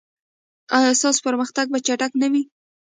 ایا ستاسو پرمختګ به چټک نه وي؟